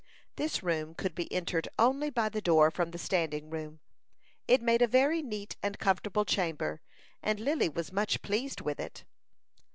This room could be entered only by the door from the standing room. It made a very neat and comfortable chamber, and Lily was much pleased with it.